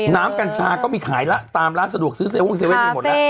น้ำกัญชาก็มีขายละตามร้านสะดวกซื้อเซลว่างเซเว่นมีหมดแล้ว